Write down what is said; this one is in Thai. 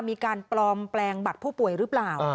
มีการปลอมแปลงบัตรผู้ป่วยหรือเปล่า